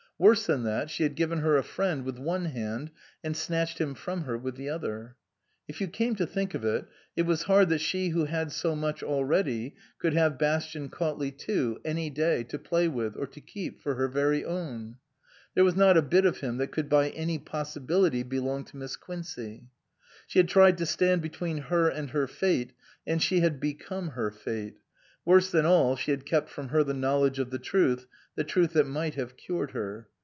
Worse than that, she had given her a friend with one hand and snatched him from her with the other. (If you came to think of it, it was hard that she who had so much already could have Bastian Cautley too, any day, to play with, or to keep for her very own. There was not a bit of him that could by any possibility belong to Miss Quincey.) She had tried to stand between her and her Fate, and she had become her Fate. Worse than all, she had kept from her the knowledge of the truth the truth that might have cured her.